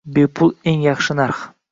Bepul eng yaxshi narx